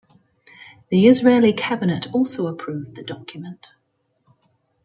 The Israeli Cabinet also approved the document.